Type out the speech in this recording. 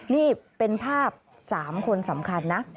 นี่เป็นภาพ๓คนสำคัญนะ